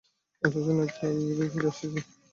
স্টেশনে একটু আগেভাগেই ফিরে এসেছিলাম।